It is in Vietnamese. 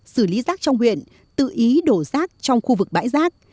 xử lý rác trong huyện tự ý đổ rác trong khu vực bãi rác